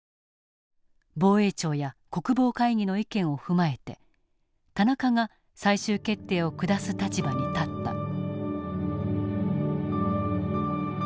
防衛庁や国防会議の意見を踏まえて田中が最終決定を下す立場に立った。